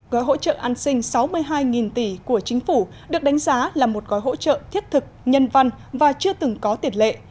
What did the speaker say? gói hỗ trợ an sinh sáu mươi hai tỷ của chính phủ được đánh giá là một gói hỗ trợ thiết thực nhân văn và chưa từng có tiền lệ